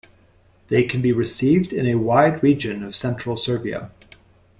They can be received in a wide region of central Serbia.